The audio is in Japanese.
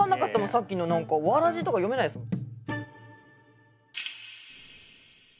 さっきの何か「わらじ」とか読めないですもん。